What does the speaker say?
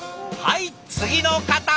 はい次の方！